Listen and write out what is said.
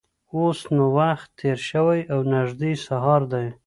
اوس نو وخت تېر شوی او نږدې سهار دی.